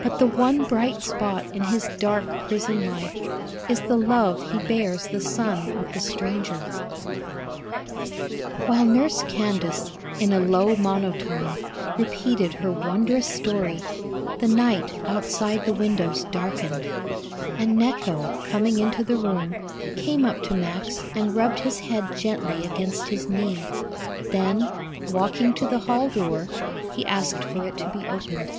"But the one bright spot in his dark prison life is the love he bears the son of the stranger." While Nurse Candace, in a low monotone, repeated her wondrous story, the night outside the windows darkened, and Necho, coming into the room, came up to Max and rubbed his head gently against his knee, then walking to the hall door he asked for it to be opened.